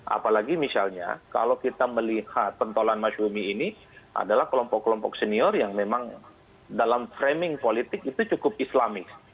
apalagi misalnya kalau kita melihat pentolan masyumi ini adalah kelompok kelompok senior yang memang dalam framing politik itu cukup islamis